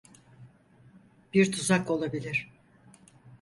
Bir tuzak olabilir.